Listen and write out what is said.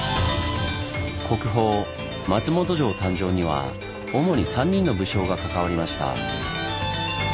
国宝松本城誕生には主に３人の武将が関わりました。